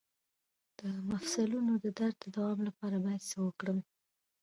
د مفصلونو د درد د دوام لپاره باید څه وکړم؟